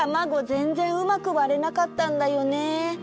ぜんぜんうまくわれなかったんだよね。